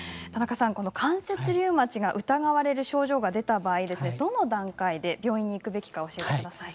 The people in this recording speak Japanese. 関節リウマチが疑われる症状が出た場合、どの段階で病院に行くべきか教えてください。